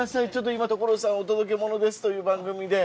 今『所さんお届けモノです！』という番組で。